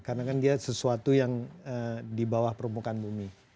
karena kan dia sesuatu yang di bawah permukaan bumi